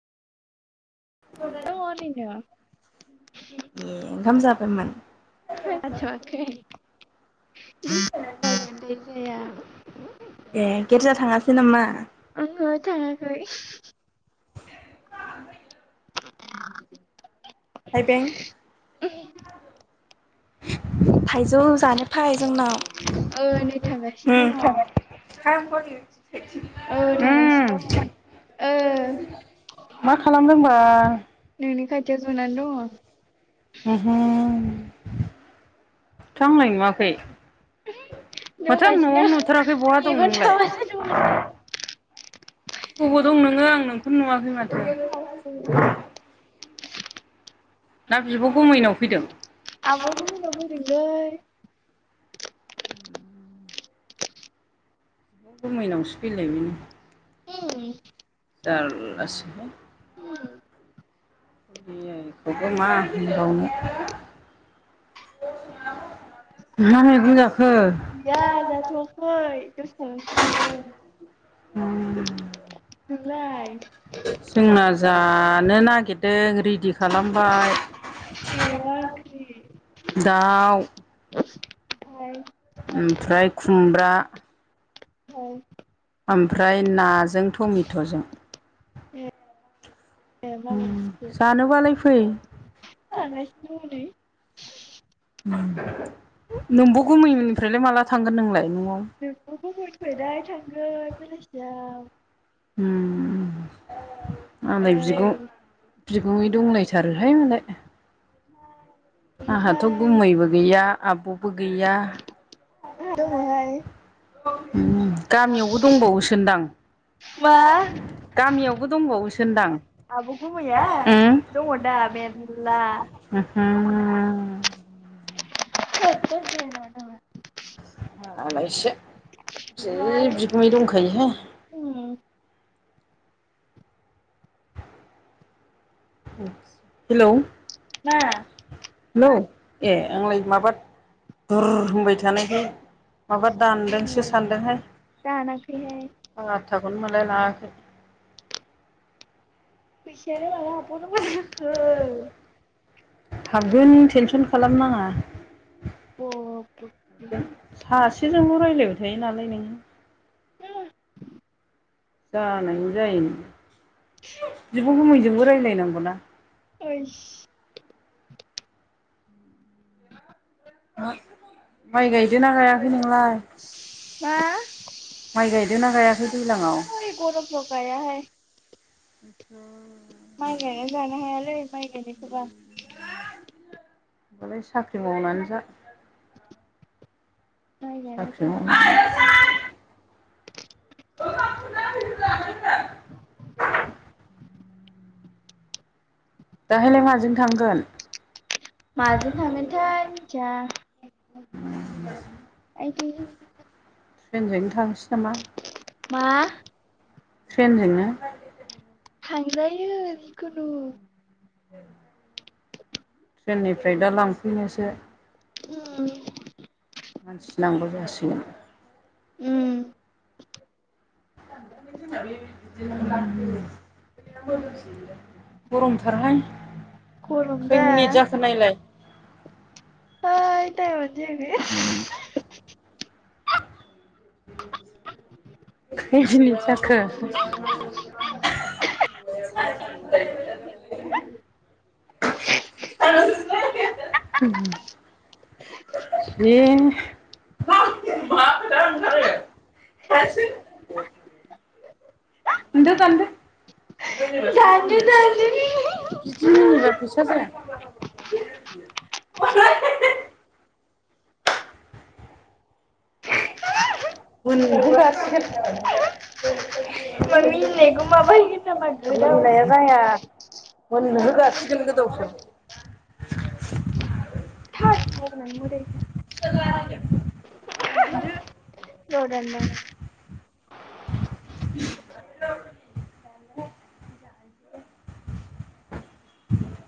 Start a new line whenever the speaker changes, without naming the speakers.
दङ ओरैनो।
ए ओंखाम जाबायमोन
[unintelligible]
ए गेरजा थाङासै नामा?
आङो थाङाखै। [unintelligible]
थाइबें।
[unintelligible]
थाइजौ जानो फै जोंनाव
ओ नै थांगासिनो
उम
दङ
थांगोन।
ओ थांगासिनो
उम।
दङ ओ
मा खालामदोंबा
नोंनि खाथियाव जुनानै दङ।
उमहु थोआंलाय नुवाखै। माथो आं
दंगासिनो
न'आवनो नुथाराखै बहा दं
मेगन
नोंलाय।
थाबासो दंमोन
बबाव दं नोङो आं नोंखौनो नुवाखै माथो।
मेगन थाबासो
ना बिब' गुमैनाव फैदों।
आब' गुमैनाव फैदोंलै।
[inaudible] गुमैयनावसो फैलायबायनो।
उम
जारलासो
उम।
खौबो मा होनबावनो मा मैगं जाखो?
गैया जाथ'वाखै दसे थानैसो जागोन। नोंलाय।
जोंना जानो नागिरदों रेडि खालामबाय।
ए‌ मा ओंख्रि
दाउ
ओमफ्राय
ओमफ्राय खुमब्रा
औ।
ओमफ्राय नाजों टमेट'जों।
ए। माबायदिसो
जानोबालाय फै।
[unintelligible]
नोंबो गुमैनिफ्रायलाय माला थांगोन नोंलाय न'आव?
नोंब' गुमैनिफ्रायलाय थांगोन बेलासियाव औ
आदाय बिदिखौ बिगुमै दंलायथारोहाय मालाय। आंहाथ'
ओमफ्राय
गुबुमैबो गैया आब'बो गैया
आंहा दङ हाय।
गामियावबो दंबावोसोनदां।
मा?
गामियावबो दंबावोसोनदां
आब' गुमैया दङ दा मेरला
हुम हुम
[unintelligible]
मालायसो जि बिगुमै दंखायो हाय।
उम
हेलौ
मा
हेलौ, ए आंलाय माबा बुर होनबाय था जानायखाय माबा
ए
दानदोंसो सानदोंहाय।
दानाखैहाय
फाथथाखौनो मोनालायलाङाखै।
फैसायानो माला हाबबाव नांगौ जाखो।
हाबगोन टेनसन खालामनाङा।
अ
सासेजोंल' रायज्लायबाय थायो नालाय नोङो।
उम
जानायबो जायो बिब' गुमैजोंबो रायज्लायनांगौना।
ओइस
माइ गायदोना गायाखै नोंलाय?
मा?
माइ गायदोना गायाखै दैज्लाङाव
थोइ गरम फोराव गायाहाय।
इसर
माइ गायनानै जानो हायालै माइ गायनायखौबा।
होमबालाय साख्रि मावनानै जा।
माइ
साख्रि
गायनायफ्रानो
मावनानै [unintelligible] दाहायलाय माजों थांगोन।
माजों थांगोनथाय मिथिया।
[inaudible]
आयदै
ट्रेनजोंनो थांसै नामा।
मा?
ट्रेनजोंनो।
थांजायो जिखुनु
[inaudible] ट्रेननिफ्राय दा लांफैनोसै।
उम
मानसि नांगौ जासिगोन।
उम
[unintelligible] गरमथार हाय
गरम
खै
दा
मिनिट जाखो नायलाय।
होय टाइमआनो जायाखै।
[inaudible] खै मिनिट जाखो। [unintelligible] [inaudible] हे [unintelligible] [unintelligible] [unintelligible] बिदि
जायाखै दानदो दानदो
मिनिबार फैसा जाया [unintelligible] [inaudible] [unintelligible]
मा मिनिनायखौ माबाहैगोन नामा गोदाव
मोनिनाया
सोराव
जाया मोननो होगासिगोन गोदाव सोराव।
[unintelligible] [unintelligible]